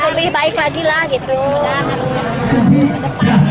lebih baik lagi lah gitu